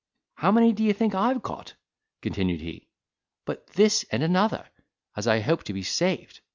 "How many d'ye think I have got?" continued he; "but this and another, as I hope to be saved!